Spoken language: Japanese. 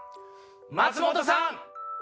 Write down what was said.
松本さん。